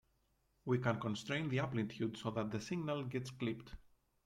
We can constrain the amplitude so that the signal gets clipped.